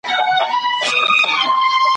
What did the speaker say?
ستا به مي نوم هېر وي زه به بیا درته راغلی یم ,